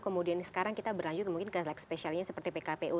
kemudian sekarang kita berlanjut mungkin ke lag spesialnya seperti pkpu